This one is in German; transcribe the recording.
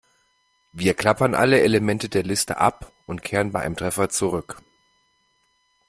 Wir klappern alle Elemente der Liste ab und kehren bei einem Treffer zurück.